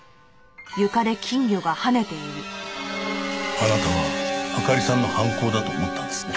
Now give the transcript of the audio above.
あなたはあかりさんの犯行だと思ったんですね？